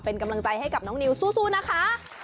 เป็นกำลังใจให้กับน้องนิวสู้นะคะ